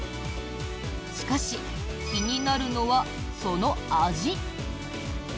しかし、気になるのはその味。